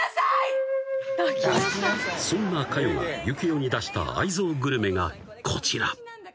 ［そんな香世が由岐雄に出した愛憎グルメがこちら］